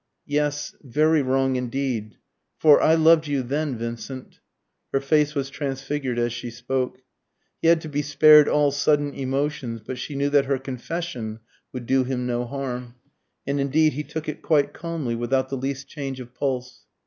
"Yes, very wrong indeed. For I loved you then, Vincent." Her face was transfigured as she spoke. He had to be spared all sudden emotions, but she knew that her confession would do him no harm. And indeed he took it quite calmly, without the least change of pulse.